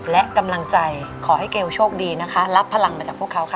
และกำลังใจขอให้เกลโชคดีนะคะรับพลังมาจากพวกเขาค่ะ